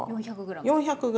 ４００ｇ。